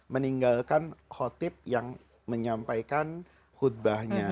meninggalkan khotib yang menyampaikan khutbahnya